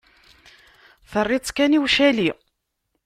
Terriḍ-tt kan i ucali.